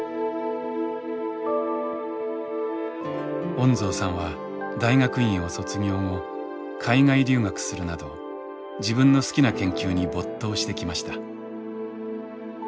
恩蔵さんは大学院を卒業後海外留学するなど自分の好きな研究に没頭してきました。